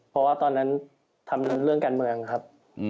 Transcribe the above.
เพราะว่าตอนนั้นทำเรื่องการเมืองครับ